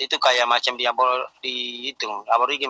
itu kayak macam di aborigim